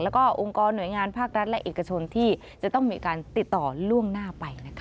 แล้วก็องค์กรหน่วยงานภาครัฐและเอกชนที่จะต้องมีการติดต่อล่วงหน้าไปนะคะ